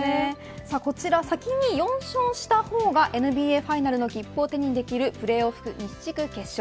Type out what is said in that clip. こちら先に４勝したほうがＮＢＡファイナルの切符を手にできるプレーオフ西地区決勝。